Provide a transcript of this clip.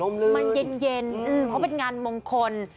มันเย็นเพราะเป็นงานมงคล